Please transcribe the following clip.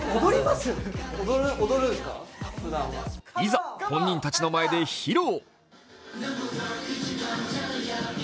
いざ、本人たちの前で披露。